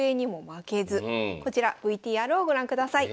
こちらＶＴＲをご覧ください。